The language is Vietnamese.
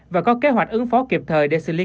và có kế hoạch ứng phó kịp thời để xử lý